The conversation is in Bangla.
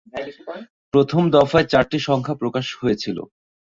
প্রথম দফায় চারটি সংখ্যা প্রকাশ হয়েছিল।